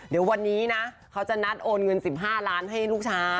เดี๋ยววันนี้นะเขาจะนัดโอนเงิน๑๕ล้านให้ลูกช้า